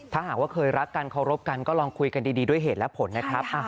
ถ้าหากว่าเคยรักกันเคารพกันก็ลองคุยกันดีด้วยเหตุและผลนะครับ